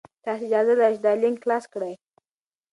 تاسي اجازه لرئ چې دا لینک خلاص کړئ.